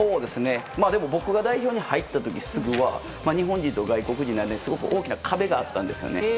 でも僕が代表に入ってすぐは日本人と外国人の間にすごく大きな壁があったんですよね。